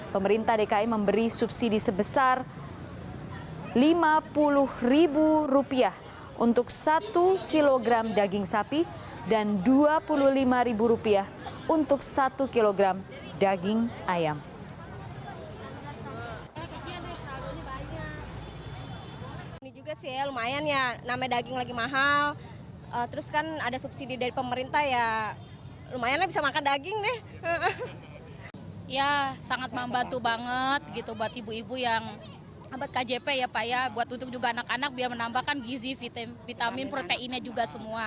pemerintah dki memberi subsidi sebesar rp lima puluh untuk satu kg daging sapi dan rp dua puluh lima untuk satu kg daging